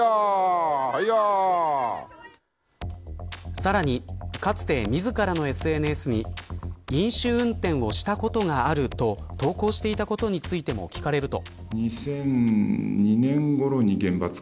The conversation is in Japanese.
さらに、かつて自らのＳＮＳに飲酒運転をしたことがあると投稿していたことについても聞かれると。